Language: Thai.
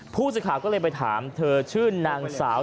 ผู้สื่อข่าวก็เลยไปถามเธอชื่อนางสาว